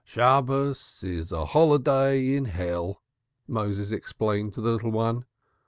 "Shabbos is a holiday in Hell," Moses explained to the little one.